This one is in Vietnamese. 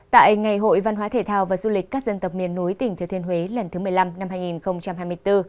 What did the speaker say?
tại ngày hội văn hóa thể thao và du lịch các dân tộc miền núi tỉnh thừa thiên huế lần thứ một mươi năm năm hai nghìn hai mươi bốn